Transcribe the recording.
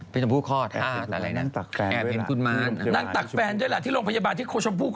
เป็นชมพูข้อท่านอะไรนะแอบเห็นคุณมากนะนั่งตักแฟนด้วยล่ะที่โรงพยาบาลที่โชชมพูข้อ